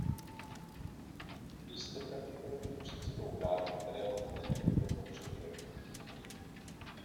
Jste pravděpodobně předsedou vlády, kterého v této době potřebujeme.